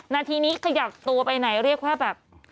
นาทีนี้ขยับตัวไปไหนเรียกว่าแบบ